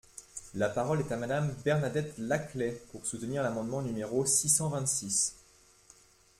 La parole est à Madame Bernadette Laclais, pour soutenir l’amendement numéro six cent vingt-six.